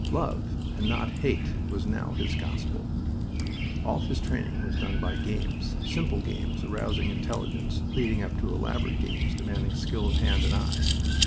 Love, and not hate, was now his gospel. All his training was done by games, simple games arousing intelligence, leading up to elaborate games demanding skill of hand and eye.